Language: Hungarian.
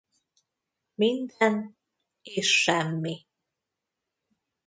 Minden és semmi.